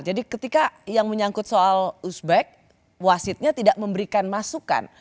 jadi ketika yang menyangkut soal uzbek wasitnya tidak memberikan masukan